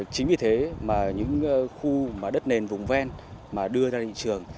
chính vì thế những khu đất nền vùng ven đưa ra thị trường